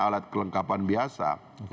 alat kelengkapan biasa